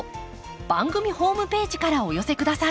番組ホームページからお寄せ下さい。